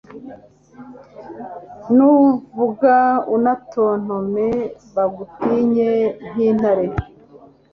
Nuvuga unatontome Bagutinye nkintare